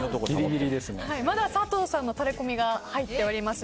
まだ佐藤さんのタレこみが入っております。